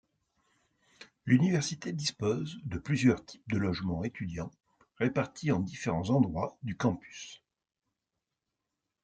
L'université dispose de plusieurs types de logements étudiants, répartis en différents endroits du campus.